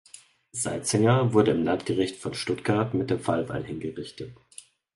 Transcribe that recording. Seizinger wurde im Landgericht von Stuttgart mit dem Fallbeil hingerichtet.